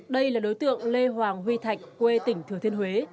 đây là đối tượng lê hoàng huy thạch quê tỉnh thừa thiên huế